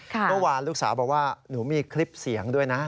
เมื่อวานลูกสาวบอกว่าหนูมีคลิปเสียงด้วยนะ